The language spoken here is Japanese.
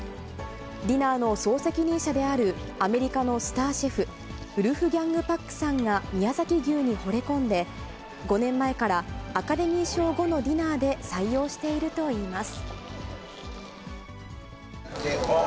ディナーの総責任者であるアメリカのスターシェフ、ウルフギャング・パックさんが宮崎牛にほれ込んで、５年前から、アカデミー賞後のディナーで採用しているといいます。